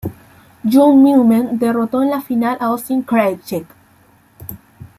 John Millman derrotó en la final a Austin Krajicek.